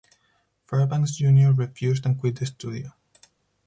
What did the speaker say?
Fairbanks Junior refused and quit the studio.